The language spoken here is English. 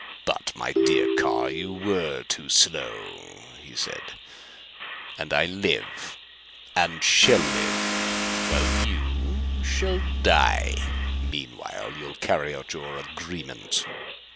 "But, my dear Carr, you were too slow," he said, "and I live and shall live while you shall die. Meanwhile you'll carry out your agreement.